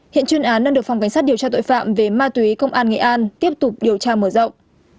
hiện chuyên án đang được phòng cảnh sát điều tra tội phạm về ma túy công an nghệ an tiếp tục điều tra mở rộng